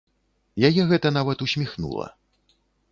Яе гэта нават усміхнула.